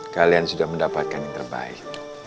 kalian sudah mendapatkan yang terbaik